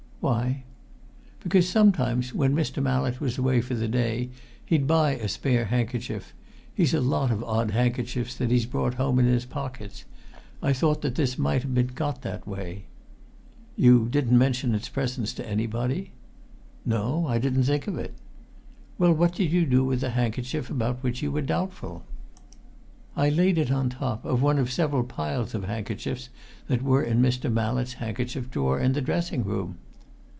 "Why?" "Because sometimes when Mr. Mallett was away for the day he'd buy a spare handkerchief he's a lot of odd handkerchiefs that he's brought home in his pockets. I thought this might have been got that way." "You didn't mention its presence to anybody?" "No I didn't think of it." "Well, what did you do with the handkerchief about which you were doubtful?" "I laid it on top of one of several piles of handkerchiefs that were in Mr. Mallett's handkerchief drawer in the dressing room."